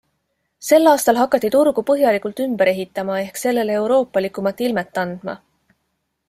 Sel aastal hakati turgu põhjalikult ümber ehitama ehk sellele euroopalikumat ilmet andma.